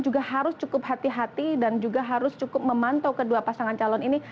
juga harus cukup hati hati dan juga harus cukup memantau kedua pasangan calon ini